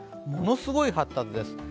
ものすごい発達です。